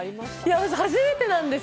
私、初めてなんです。